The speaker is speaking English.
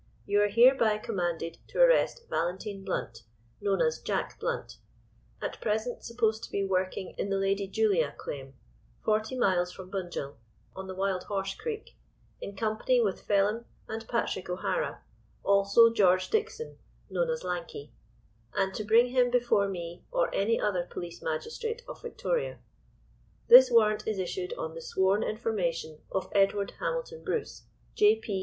—You are hereby commanded to arrest Valentine Blount—known as 'Jack Blunt,' at present supposed to be working in the 'Lady Julia' claim, forty miles from Bunjil, on the Wild Horse Creek, in company with Phelim and Patrick O'Hara, also George Dixon (known as Lanky), and to bring him before me or any other Police Magistrate of Victoria. This warrant is issued on the sworn information of Edward Hamilton Bruce, J.P.